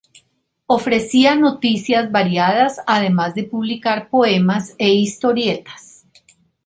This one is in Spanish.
Ofrecía noticias variadas además de publicar poemas e historietas.